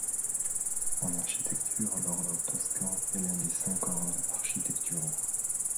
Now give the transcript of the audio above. En architecture, l'ordre toscan est l'un des cinq ordres architecturaux.